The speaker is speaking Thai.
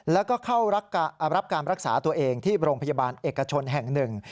แล้วก็เข้ารับการรักษาตัวเองที่โรงพยาบาลเอกชนแห่งหนึ่ง